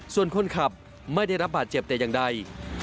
ส่วนคนขับไม่ได้รับบาดเจ็บแต่อย่างใด